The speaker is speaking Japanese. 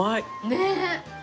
ねえ。